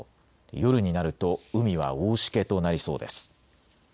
夜になると海は大しけとなりそうです。